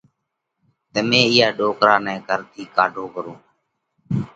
تمي اِيئا ڏوڪرا نئہ گھر ٿِي ڪاڍو پرو۔